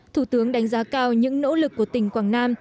thủ tướng đánh giá cao những nỗ lực của tỉnh quảng nam